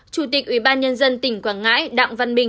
chủ tịch ubnd tỉnh quảng ngãi đặng văn bình